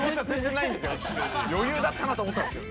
余裕だったなと思ったんですけど。